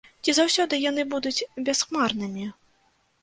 Ці заўсёды яны будуць бясхмарнымі?